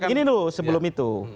tapi gini dulu sebelum itu